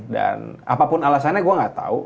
dan apapun alasannya gue gak tau